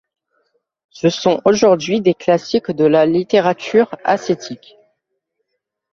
Ce sont aujourd'hui des classiques de la littérature ascétique.